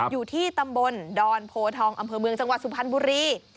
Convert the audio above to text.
อยู่ที่ตำบลดอนโพทองอำเภอเมืองจังหวัดสุพรรณบุรี